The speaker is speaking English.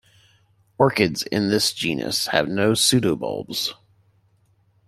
Orchids in this genus have no pseudobulbs.